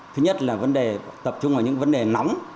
thứ nhất là tập trung vào những vấn đề nóng